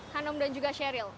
hanum dan juga sheryl